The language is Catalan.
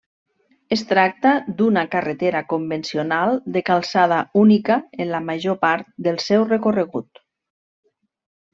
Es tracta d'una carretera convencional de calçada única en la major part del seu recorregut.